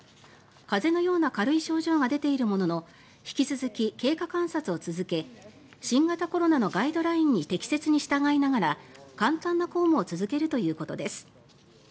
風邪のような軽い症状が出ているものの引き続き、経過観察を続け新型コロナのガイドラインに適切に従いながら簡単な公務を続けるということです。